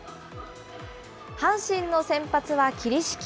阪神の先発は桐敷。